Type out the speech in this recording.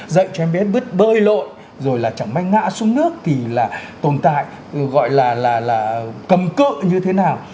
dạy cho em bé bơi lội rồi là chẳng may ngã xuống nước thì là tồn tại gọi là cầm cự như thế nào